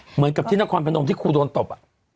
เหมือนกับที่นครพนมที่ครูโดนตบ